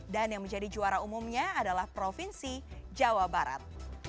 dan yang menjadi juara umumnya adalah provinsi jawa barat